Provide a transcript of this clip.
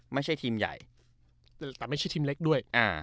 ไม่ใช่ทีมใหญ่แต่ไม่ใช่ทีมเล็กด้วย